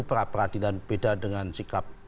peradilan beda dengan sikap